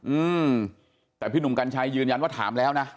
อืมแต่พี่หนุ่มกัญชัยยืนยันว่าถามแล้วนะ